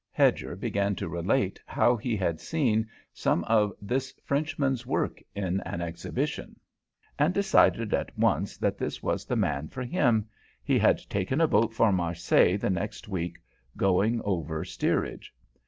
Hedger began to relate how he had seen some of this Frenchman's work in an exhibition, and deciding at once that this was the man for him, he had taken a boat for Marseilles the next week, going over steerage.